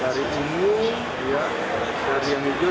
dari ini dari yang hijau